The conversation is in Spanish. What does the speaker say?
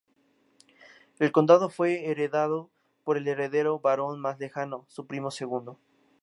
El condado fue heredado por el heredero varón más lejano, su primo segundo.